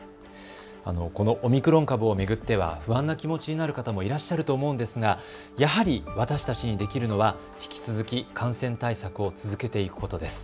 このオミクロン株を巡っては不安な気持ちになる方もいらっしゃると思うんですがやはり私たちにできるのは引き続き感染対策を続けていくことです。